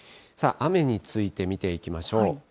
雨について見ていきましょう。